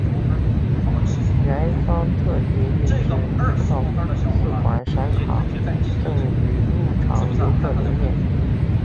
园方特别印制一套四款闪卡赠予入场游客留念。